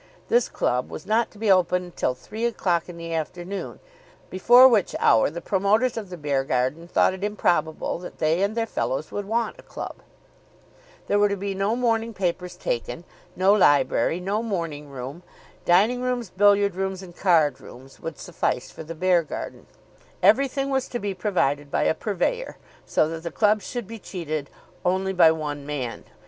This club was not to be opened till three o'clock in the afternoon, before which hour the promoters of the Beargarden thought it improbable that they and their fellows would want a club. There were to be no morning papers taken, no library, no morning room. Dining rooms, billiard rooms, and card rooms would suffice for the Beargarden. Everything was to be provided by a purveyor, so that the club should be cheated only by one man.